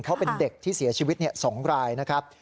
เขาเป็นเด็กที่เสียชีวิต๒รายนะครับ